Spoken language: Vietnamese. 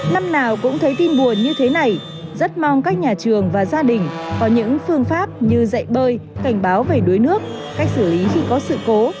năm nào cũng thấy tin buồn như thế này rất mong các nhà trường và gia đình có những phương pháp như dạy bơi cảnh báo về đuối nước cách xử lý khi có sự cố